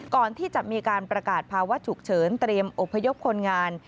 ก่อนที่จะมีการประกาศภาวะฉุกเฉินเตรียมอบพยพคนงาน